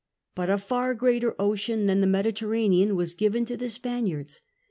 But a far greater ocean than the Mediterranean was given to the Spaniards.